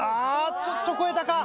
ちょっと越えたか。